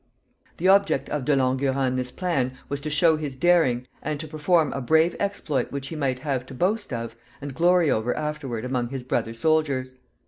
The object of De Langurant in this plan was to show his daring, and to perform a brave exploit which he might have to boast of, and glory over afterward among his brother soldiers.